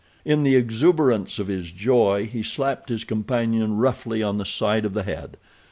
In the exuberance of his joy he slapped his companion roughly on the side of the head.